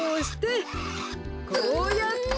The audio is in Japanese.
こうやって。